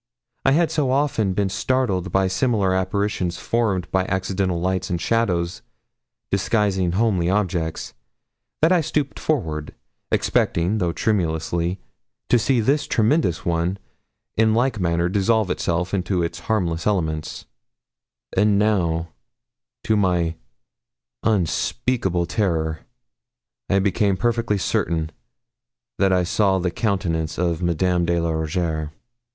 I had so often been startled by similar apparitions formed by accidental lights and shadows disguising homely objects, that I stooped forward, expecting, though tremulously, to see this tremendous one in like manner dissolve itself into its harmless elements; and now, to my unspeakable terror, I became perfectly certain that I saw the countenance of Madame de la Rougierre.